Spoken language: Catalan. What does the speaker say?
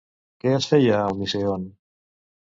Què es feia al Misèon?